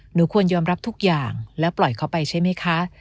หนูควรยอมรับทุกอย่างแล้วปล่อยเขาไปใช่ไหมคะ